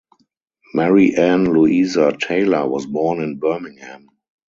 Mary Ann Louisa Taylor was born in Birmingham.